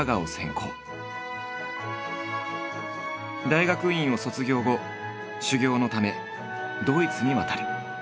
大学院を卒業後修業のためドイツに渡る。